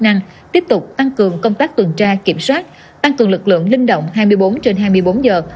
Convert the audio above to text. năng tiếp tục tăng cường công tác tuần tra kiểm soát tăng cường lực lượng linh động hai mươi bốn trên hai mươi bốn giờ